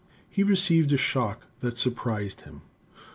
He received a shock that surprised him.